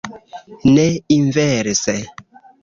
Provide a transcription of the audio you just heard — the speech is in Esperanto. Ne inverse.